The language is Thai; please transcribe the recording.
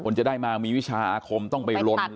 จะได้มามีวิชาอาคมต้องไปลน